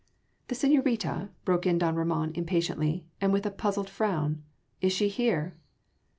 "The señorita?" broke in don Ramon impatiently, and with a puzzled frown, "is she here?"